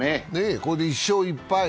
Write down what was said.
これで１勝１敗。